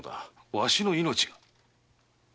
わしの命が？